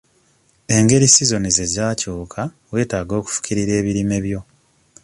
Engeri sizoni gye zaakyuka weetaaga okufukirira ebirime byo.